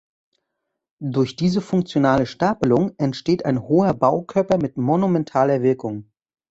Durch diese funktionale Stapelung entsteht ein hoher Baukörper mit monumentaler Wirkung.